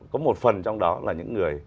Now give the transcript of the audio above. có một phần trong đó là những người